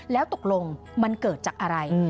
แล้วตกลงมันเกิดจากอะไร